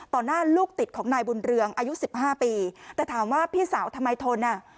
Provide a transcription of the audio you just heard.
หน้าลูกติดของนายบุญเรืองอายุสิบห้าปีแต่ถามว่าพี่สาวทำไมทนอ่ะ